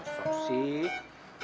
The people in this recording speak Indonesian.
oh susah sih